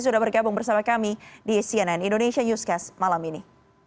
dan bergabung bersama kami di cnn indonesia newscast malam ini